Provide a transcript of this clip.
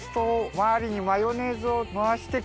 周りにマヨネーズを回してこう。